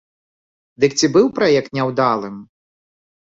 Дык ці быў праект няўдалым?